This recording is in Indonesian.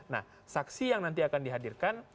nah saksi yang nanti akan dihadirkan